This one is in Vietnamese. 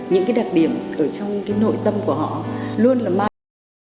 những cái đặc điểm ở trong cái nội tâm của họ luôn là mang